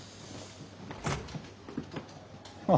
ああ。